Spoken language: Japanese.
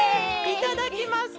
いただきます！